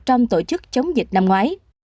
trong tổ chức chống dịch năm ngoái